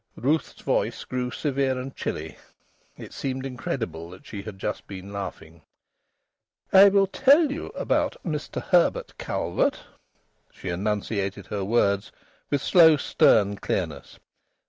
Ruth's voice grew severe and chilly. It seemed incredible that she had just been laughing. "I will tell you about Mr Herbert Calvert;" she enunciated her words with slow, stern clearness.